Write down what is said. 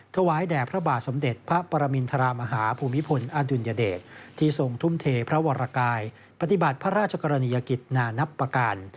ถวายแด่พระบาทสมเด็จพระปรมินทรมาฮาภูมิพลอดุลยเดชที่ทรงทุ่มเทพระวรกายปฏิบัติพระราชกรณียกิจนานับประการ